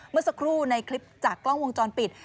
เมื่อสักครู่ในคลิปจากกล้องวงจรปิด